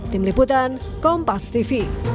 tim liputan kompas tv